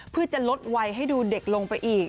เพื่อจะลดวัยให้ดูเด็กลงไปอีก